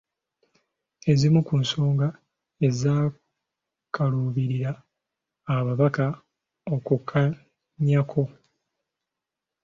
Ezimu ku nsonga ezaakaluubirira ababaka okukkaanyaako.